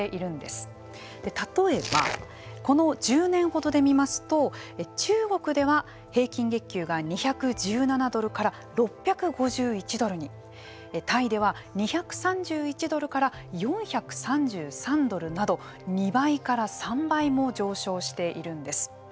例えばこの１０年ほどで見ますと中国では、平均月給が２１７ドルから６５１ドルにタイでは２３１ドルから４３３ドルなど２倍から３倍も上昇しているんです。